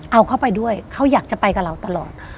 เอาเข้าไปด้วยเขาอยากจะไปกับเราตลอด